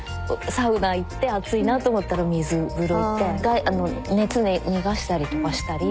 サウナ行って熱いなと思ったら水風呂行って１回熱逃がしたりとかしたり。